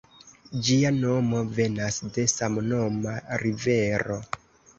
Ĝia nomo venas de samnoma rivero.